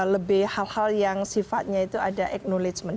lebih hal hal yang sifatnya itu ada ecknowledgement